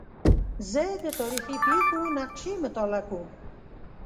زه د تاریخي پېښو نقشې مطالعه کوم.